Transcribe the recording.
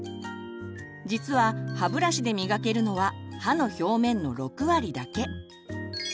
実は歯ブラシで磨けるのは歯の表面の６割だけ。